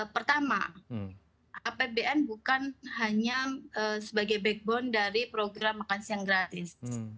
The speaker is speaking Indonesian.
pertama apbn bukan hanya sebagai backbone dari program makan siang gratis